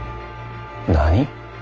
何！？